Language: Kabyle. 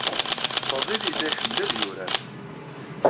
Fadil yella iḥemmel ad yurar.